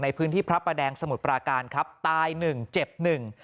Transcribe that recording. พระประแดงสมุทรปราการครับตายหนึ่งเจ็บหนึ่ง